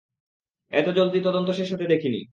এত জলদি তদন্ত শেষ হতে দেখিনি।